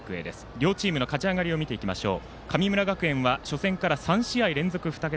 両チームの勝ち上がりを見ていきましょう。